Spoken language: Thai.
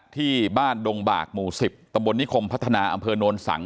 ที่บ้านดงบากหมู่๑๐ตำบลนิคมพัฒนาอำเภอโนนสัง